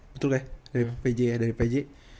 betul kan dari pj